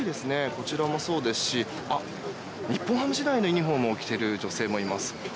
こちらもそうですし日本ハム時代のユニホームを着ている女性もいます。